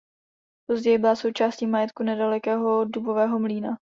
Později byla součástí majetku nedalekého Dubového mlýna.